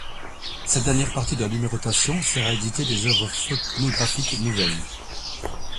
Cette dernière partie de la numérotation, sert à éditer des œuvres phonographiques nouvelles.